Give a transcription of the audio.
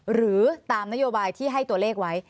หรือตามนโยบายที่ให้ตัวเลขไว้